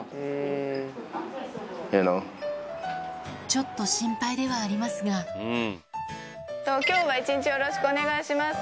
ちょっと心配ではありますが今日は一日よろしくお願いします。